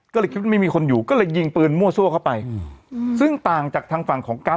ก็เลยคิดว่าไม่มีคนอยู่ก็เลยยิงปืนมั่วซั่วเข้าไปอืมซึ่งต่างจากทางฝั่งของกัส